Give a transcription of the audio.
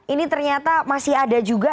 ini ternyata masih ada juga